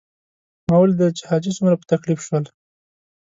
ما ولیدل چې حاجي څومره په تکلیف شول.